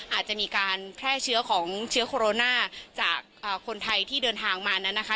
อาจจะมีการแพร่เชื้อของเชื้อโคโรนาจากคนไทยที่เดินทางมานั้นนะคะ